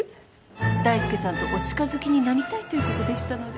大介さんとお近づきになりたいということでしたので。